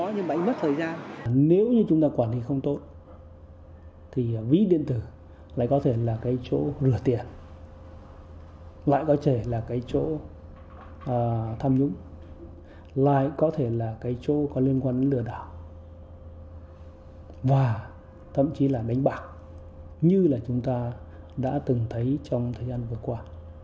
nếu như chúng ta quản lý không tốt thì ví điện tử lại có thể là cái chỗ rửa tiền lại có thể là cái chỗ tham nhũng lại có thể là cái chỗ có liên quan đến lừa đảo và thậm chí là đánh bạc như là chúng ta đã từng thấy trong thời gian vừa qua